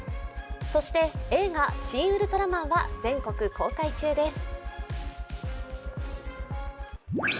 そして映画「シン・ウルトラマン」は全国公開中です。